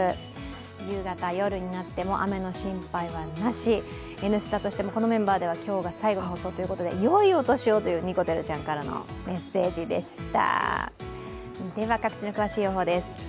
夕方、夜になっても雨の心配はなし「Ｎスタ」としても、このメンバーでは今日が最後の放送ということでよいお年をというにこてるちゃんからのメッセージでした。